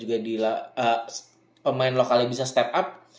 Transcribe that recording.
juga di pemain lokalnya bisa step up